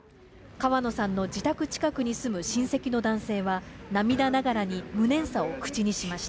川野さんの自宅近くに住む親戚の男性は、涙ながらに無念さを口にしました。